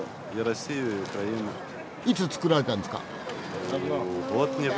いつ造られたんですか？